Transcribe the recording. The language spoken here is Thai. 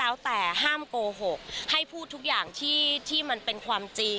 แล้วแต่ห้ามโกหกให้พูดทุกอย่างที่มันเป็นความจริง